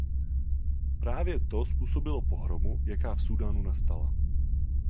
Právě to způsobilo pohromu, jaká v Súdánu nastala.